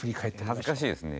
恥ずかしいですね